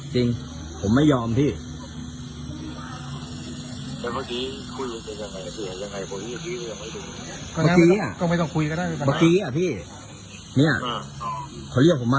จริงผมไม่ยอมพี่แต่เมื่อกี้คุยกันยังไงเปลี่ยนยังไง